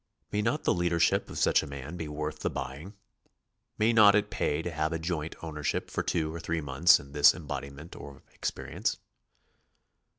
May not the leader ship of such a man be worth the buying? May not it pay to have a joint ownership for two or three months in this embodiment of experience?